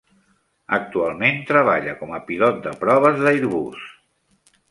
Actualment treballa com a pilot de proves d'Airbus.